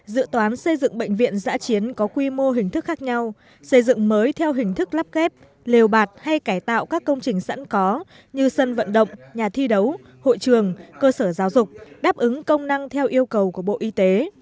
dự toán xây dựng bệnh viện giã chiến có quy mô hình thức khác nhau xây dựng mới theo hình thức lắp kép liều bạt hay cải tạo các công trình sẵn có như sân vận động nhà thi đấu hội trường cơ sở giáo dục đáp ứng công năng theo yêu cầu của bộ y tế